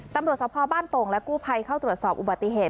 ตำรวจสภบ้านโป่งและกู้ภัยเข้าตรวจสอบอุบัติเหตุ